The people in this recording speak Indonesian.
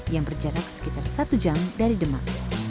yang berjarak sekitar satu jam dari demak